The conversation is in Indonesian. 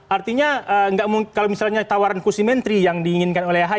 artinya kalau misalnya tawaran kursi menteri yang diinginkan oleh ahy